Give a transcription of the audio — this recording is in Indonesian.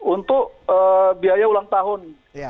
untuk biaya ulang tahun